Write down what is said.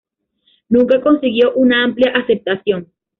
Nunca consiguió un amplia aceptación.